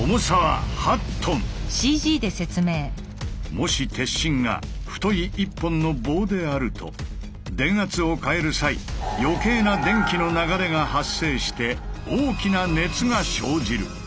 もし鉄心が太い１本の棒であると電圧を変える際余計な電気の流れが発生して大きな熱が生じる。